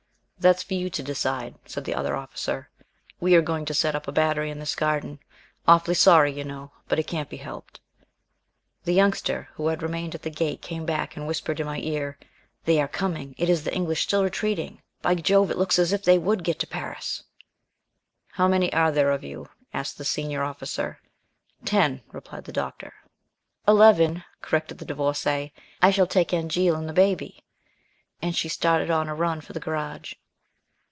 "That's for you to decide," said the other officer. "We are going to set up a battery in this garden. Awfully sorry, you know, but it can't be helped." The Youngster, who had remained at the gate, came back, and whispered in my ear, "They are coming. It's the English still retreating. By Jove, it looks as if they would get to Paris!" "How many are there of you?" asked the senior officer. "Ten," replied the Doctor. "Eleven," corrected the Divorcée. "I shall take Angéle and the baby." And she started on a run for the garage.